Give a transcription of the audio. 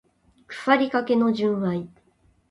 腐りかけの純愛